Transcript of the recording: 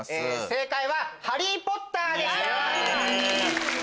正解は『ハリー・ポッター』でした。